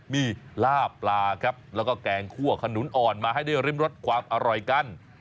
มีลาบปลาครับแล้วก็แกงคั่วขนุนอ่อนมาให้ได้ริมรสความอร่อยกัน